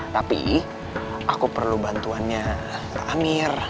tapi aku perlu bantuannya ke amir